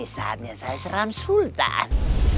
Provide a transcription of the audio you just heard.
saatnya saya seram sultan